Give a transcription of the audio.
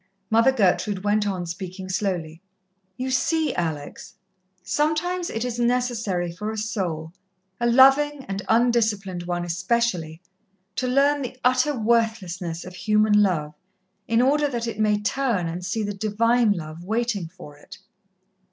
Mother Gertrude went on speaking slowly: "You see, Alex, sometimes it is necessary for a soul, a loving and undisciplined one especially, to learn the utter worthlessness of human love, in order that it may turn and see the Divine Love waiting for it."